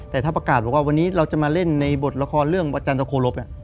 แต่ถ้าประกาศบอกว่าวันนี้เราจะมาเล่นในบทละครเรื่องจันทโครบ